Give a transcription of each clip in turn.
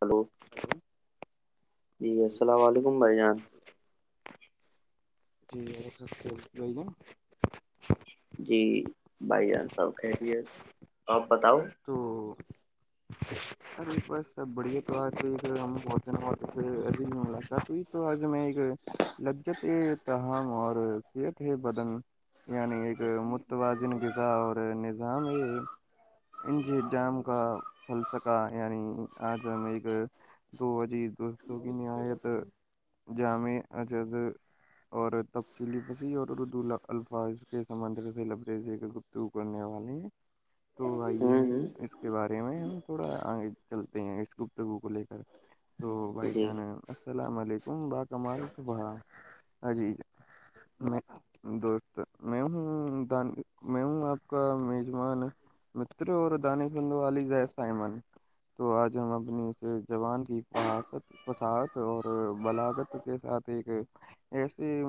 hello جی السلام علیکم بھائی جان جی اور سب خیریت بھائی جان جی بھائی جان سب خیریت آپ بتاؤ تو سر باس سب بڑھیا تو آات ہےھر ہمہ علاقہ تو یہ تو آج میں لججت تاہم اور صحت ہے بدن یعنی ایک متوازن غذا اور نظام ہے انجیرجام کا فلسکا یعنی آج ہم ایک تو عزیز دوستوں کی نہایت جامع عجد اور تفصیلی پسی اور اردو الفاظ کے سمندر کے لبریز ایک گپت دوگنی والی ہے تو آئیے ہوں ہوں اس کے بارے میں ہم تھوڑا آگے چلتے ہیں اس گفتگو کو لے کر تو بھائی جی جان السلام علیکم با کمال صبح ہا جی میں دوست میں ہوں میں ہوں آپ کا میزبان متر اور دان خندو والا لز ہے سائمان تو آج ہم اپنی اس زبان کی فحاست فصاحت اور بلاغت کے ساتھ ایک ایسیے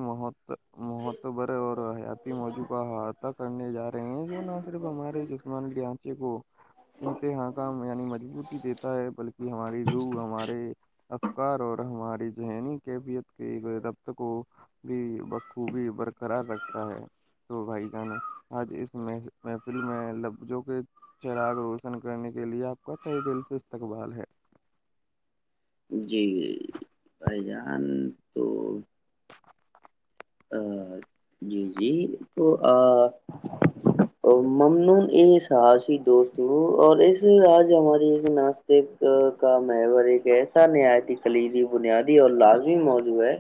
معتبر اور حیاتی موجوعہ ہاتھ پکڑنے جا رہے ہیں جو نہ صرف ہمارے جسمان کی انکھیں کو انتہا کا یعنی مضبوط دیتا ہے بلکہ ہماری روح ہمارے افکار اور ہماری ذہنی کیفیت کے ربط کو بھی بخوبی برقرار رکھتا ہے تو بھائی جانا آج اس محفل میں لب جو کہ چراغ روشن کرنے کے لیے آپ کا طہ دل سے استقبال ہے جی جیی بھائی جان تو جی جی تو آ ممنون یہ ساسیی دوست اور اس آج ہماری اس نا ایک کا موری ایسا نہایت کلیدی بنیادی اور لازمی موضوع ہے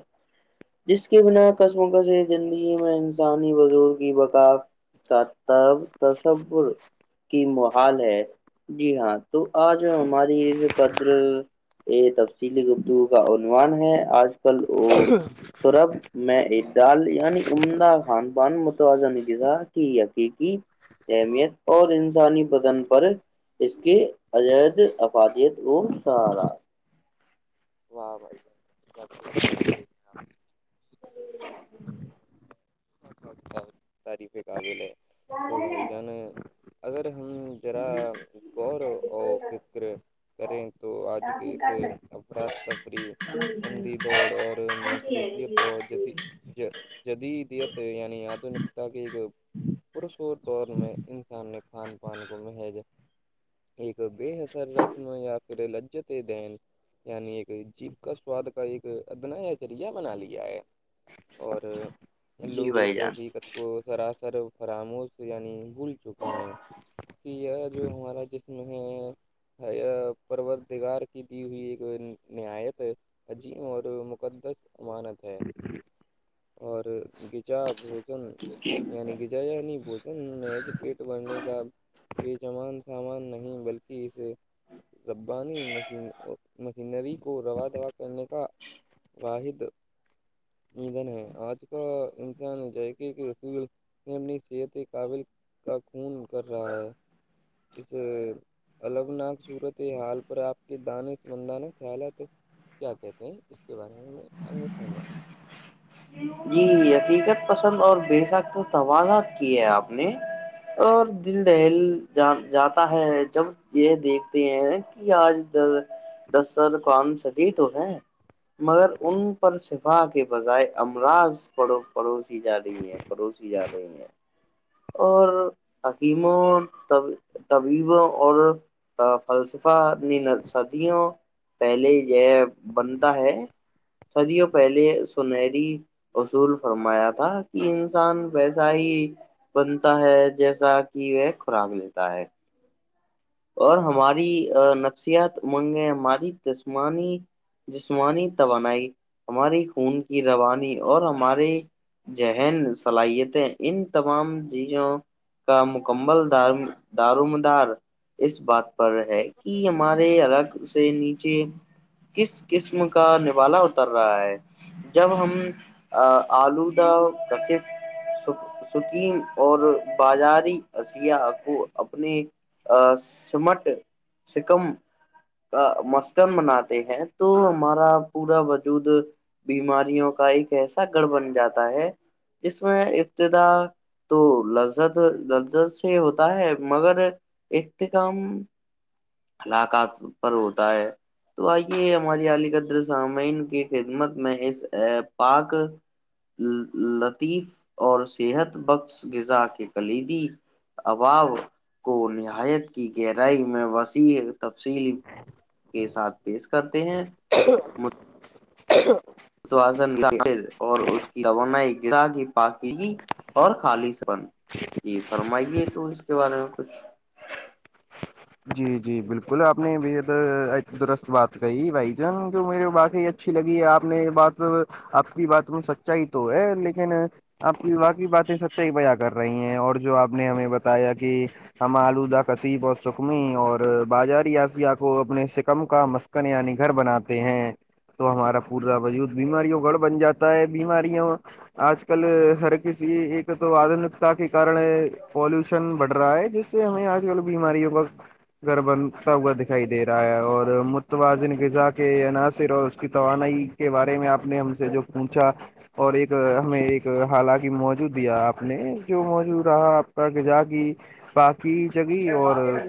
جس کے بنا کشم و کشص زندگی میں انسانی بدور کی بکا کا تصور کی محال ہے جی ہاں تو آج ہماری قدر یہ تفصیلی گفتگو کا عنوان ہے آج کل ہاں سوربھ میں اعتدال یعنی عمدہ خان پان متوازہن غزا کی حقیقی اہمیت اور انسانی بدن پر اس کے عجد افادیت کو سہارا واہ بھائی [inaudible] [inaudible] [inaudible] ہاں کے اس اپرھ کا تفری انندھی دوڑ اور مصروفیت اور جد جد دی تو یعنی آدنکتا کی سوور توور میں ان انسامنے کھان پان کو مہیج بے حسر رسم یا پھر لججتے دین یعنی ایک جیب کا سواد کا ایک ادنا یا چریا بنا لیا ہے اور جی لوگ اس بھائی سے جان حقیقت کو سراسر فراموش یعنی بھول چکے ہیں کہ ار جو ہمارا جسم ہے پرت دیگار کی دی ہوئی ایک نایت عجیم اور مقدس امانت ہے اور گغجا بوجن یعنی ج یعنی بوجن م پیٹ بھرنے کا بےچمان سامان نہیں بلکہ سے ربا نہیں مشین م سینری کو رو دا کرنے کا واحد نہیںان آج کا انسان ج ہے کہ کہ س میں اپنی صحت کے قابل کا خون کر رہا ہے اس الگناک صورت یہ حال پر آپ کے دان مندانا خیال ہے تو کیا کہتے ہیں اس کے بارے میں آگے فرما جی حقیقت پسند اور بے سکت توضات کی ہے آپ نے اور دل دہل ج جاتا ہے جب یہ دیکھتے ہیں کہ آج د در کان سجی تو ہے مگر ان پر شفا کے بجائے امراض پڑو پڑوس جا رہی ہے پڑوسی جا رہی ہیں اور تکیموں طبیبوں اور فلسفہ اپ صدیوں پہلے یہ بنتا ہے صدیوں پہلے سنری اصول فرمایا تھا کہ انسان ویسا ہی بنتا ہے جیسا کہ وہ خوراک لیتا ہے اور ہماری نفسیاتمنگیں ہماری تسمانی جسمانی توانائی ہماری خون کی روانی اور ہمارے ذہن صلاحیتیں ان تمام چیزوں کا مکمل د دارومدار اس بات پر ہے کہ ہمارے الرگ سے نیچے کس قسم کا نوالا اتر رہا ہے جب ہم آلودہ کا صف سکیین اور بازاری اشیا کو اپنے سمٹ سکم مسکن مناتے ہیں تو ہمارا پورا وجود بیماریوں کا ایک ایسا گڑھ بن جاتا ہے جس میں ابتدا تو لذت لذت سے ہوتا ہے مگر اخت کاام [inaudible] ہلاقات پر ہوتا ہے تو آئیے ہماری علی قدر سامعین کی خدمت میں اس پاک لل لطیف اور صحت بخش غذا کے کلیدی اباو کو نہایت کی گہرائی میں وس ی تفصیلی کے ساتھ پیش کرتے ہیں ہ [inaudible] [inaudible] توزن اور اس کی توانائی کی پاکی [inaudible] اور خالص پن جی فرمائیے تو اس کے بارے میں کچھ جی جی بلکل آپ نے بھی درست بات کہی بھائی جان جو میرے باقعی اچھی لگی ہے آپ نے یہ بات آپ کی بات میں سچائی تو ہے لیکن آپ کی واقی باتیں ہے سچائی بیا کر رہی ہیں اور جو آپ نے ہمیں بتایا کہ ہم آلودہ کسیف سکمی اور باجری اسیہ کو اپنے سکم کا مسکن یعنی گھر بناتے ہیں تو ہمارا پورا وجود بیماریوں گڑھ بن جاتا ہے بیماریوں آج کل ہر کسی ایک تو آدنکتا کے کارن پالوشن بڑھ رہا ہے جس سے ہمیں آج کل بیماریوں بس گھر بنتا ہوا دکھائی دے رہا ہے اور متوازن غذا کے عناصر اور اس کی توانائی کے بارے میں آپ نے ہم سے جو پونچھا اور ایک ہمیں ایک حالانکہ موجوع دیا آپ نے جو موجو رہا آپ تک جاگ باقی جگہ اور [inaudible]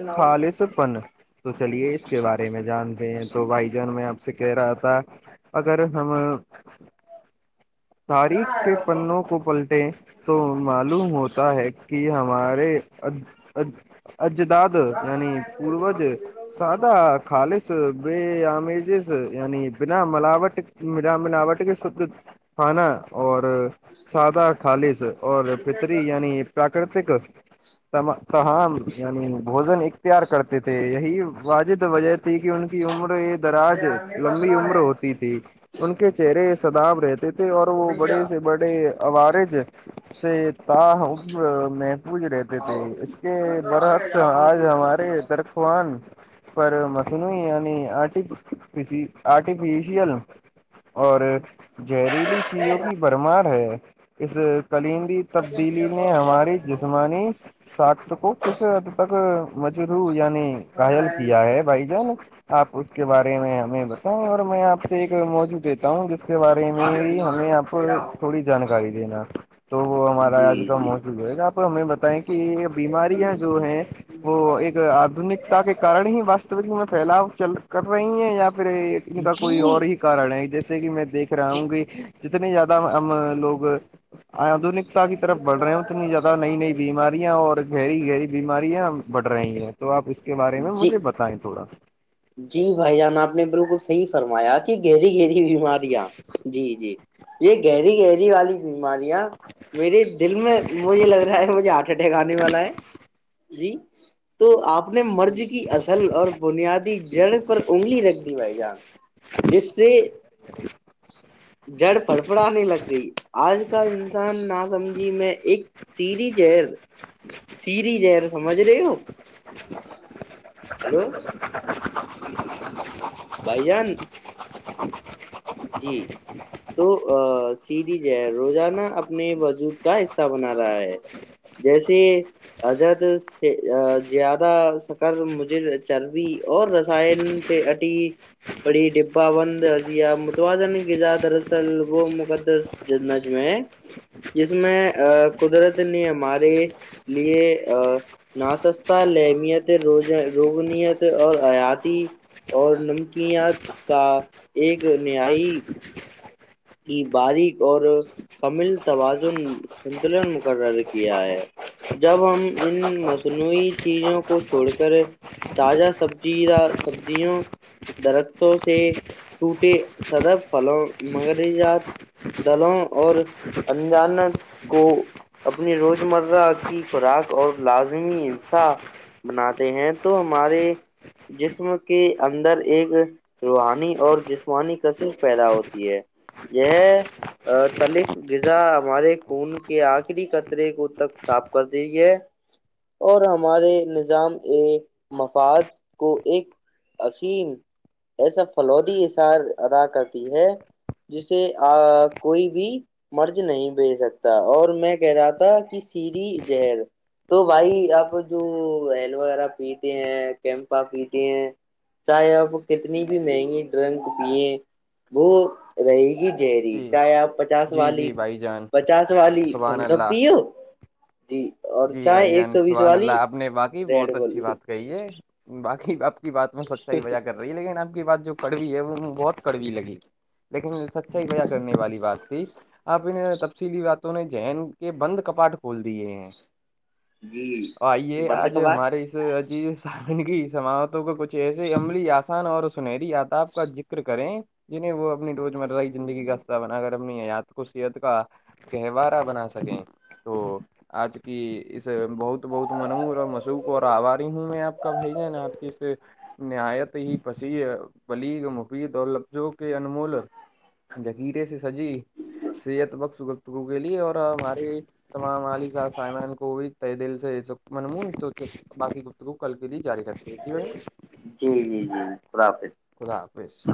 تپن تو چلیے اس کے بارے میں جانتے ہیں تو بھائی جان میں آپ سے کہہ رہا تھا اگر ہم تاریخ کے پنوں کو پلٹیں تو معلوم ہوتا ہے کہ ہمارے اد اد اجداد یعنی پووروج سات خالص بےمیزز یعنی بنا ملاوٹ بنا ملاوٹ کے شد کھانا اور سادہ خالص اور پتری یعنی پراکرتک ماں مین بوجن ایک [inaudible] کرتے تھے یہی واجد وجہ تھی کہ ان کی عمر ایک دراج لمبی عمر ہوتی ت ان کے چہرے ساداب رہتے تھے اور وہ بڑے سے بڑے عارج سے ت ہوں میں [inaudible] پوجھ رہتے تھے اس کے برعکس آج ہمارے ترخوان پر مسنوی یعنی آرٹیفسی آرٹیفشیل اور جہریلی چیزوں کی برمار ہے اس کلندی تبدیلی نے ہماری جسمانی ساخت کو کس حد تک رو یعنی گھایل کیا ہے بھائی جان آپ اس کے بارے میں میں بتاؤں اور میں آپ سے ایک موجوع دیتا ہوں جس کے بارے میں ہمیں آپ تھوڑی جانکاری دینا تو وہ ہمارا آج کا جی موجوع ہو گا تو ہمیں بتائیں کہ یہ بیماریاں جو ہیں وہ ایک آدنکتا کے کارن ہی واستوک میں پھیلاؤ چل کر رہی ہیں یا پھر ان کا کوئی جی اور ہی کارن ہے جیسے کہ میں دیکھ رہا جی ہوں گ جتنے زیادہ ہم لوگ آدنکتا کی طرف بڑ رہے ہو اتنی زیادہ نئی نئی بیماریاں اور گہری گہری بیماریاں بڑھ رہی ہیں تو آپ اس کے بارے میں جی مجھے بتائیں تھوڑا جی بھائی جان آپ نے بالکل صحیح فرمایا کہ گہری گہری بیماریاں جی جی یہ گہری گہری والی بیماریاں میرے دل میں مجھے لگ رہا ہے مجھے آٹ ٹھکانے والا ہے جی تو آپ نے مرضی کی اصل اور بنیاد جڑ پر انگلی رکھ دی بھائی جان جس سے جڑ پڑپڑاے لگ گئی آج کل انسان نا سمجھی میں ایک سیری جہر سیری جہر سمج رہی ہو ہلو [unintelligible] بھائی جان جی تو سیریز ہے روزانہ اپنے وجود کا حصہ بنا رہا ہے جیسے عجد سے زیادہ شکر مجر چربی اور رسائن سے بڑی بڑی ڈبا بند اقسیام توازن غذا دراصل وہ مقدس جنج میں ہے جس میں قدرت نے ہمارے لیے ا نا سستا لیہمیت ر روگنیت اور حیاتی اور نمکیات کا ایک نیائی کی باریک اور کمل توازن سنتلن مقرر کیا ہے جب ہم ان مصنوعی چیزوں کو چھوڑ کر تازہ سبزی یا سبزیوں درختوں سے ٹوٹے سدب پھلوں مغرزات دلوں اور انانس کو اپنی روزمرہ کی خوراک اور لازمی انصاف بناتے ہیں تو ہمارے جسم کے اندر ایک روحانی اور جسمانی کشش پیدا ہوتی ہے یہ تلف غذا ہمارے خون کے آخری قطرے کو تک صاف کر دی ہے اور ہمارے نظام ا مفاد کو ایک اسیل ایسا فلودی اثار ادا کرتی ہے جسے کوئی بھی مرض نہیں بج سکتا اور میں کہہ رہا تھا کہ سیدھی زہر تو بھائی آپ جو ریم غیرہ پیتے ہیں کیمپا پیتے ہیں چاہے آپ کتنی بھی مہنگی ڈرنک پیے وہ رہے گی گہری چاہے آپ پچاس والی پچاس والی تھمسپ پیو جی اور جی چاہے بھائی ایک جان سو بیس سبحان والی اللہ آپ نے واقعی ریڈ بہت بول اچھی بات کہیے باقی آپ کی بات میں سچائی وجہ کرتے ہیں وہی لیکن آپ کی بات جو کڑوی ہے وہ بہت کڑوی لگی لیکن سچائی وجہ کرنے والی بات تھی آپ نے تفصیلی بات تو نے زہن کے بند کپاٹ کھول دیے ہیں جی آئیے بند آج کباٹ ہمارے عجی سی سماعتوں کا کچھ ایسے عملی آسان اور سنہری یاتاب کا ذکر کریں جی نہیں وہ اپنی روزمرہ کی زندگی کا حصہ بنا کر اپنی حیات کو صحت کا کہوار بنا سکیں تو آج ک کہ اس بہت بہت منور اور مشکو ابھاری ہوں میں آپ کا بھائی جانا آپ کی نہایت ہی پسی بلیغ مفید اور لفظوں کے انمول جکیرے سے سجی صحت بخش گفتگو کے لیے اور ہمارے تمام عالی سائمان کو تہہ دل سے من باقی گفتگو کل کے لیے جاری کرتی ہیں ٹھیک ہے بھائی جان جی جی جی خدا حافظ خدا حافظ